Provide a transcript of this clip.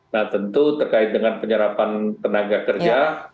nah tentu terkait dengan penyerapan tenaga kerja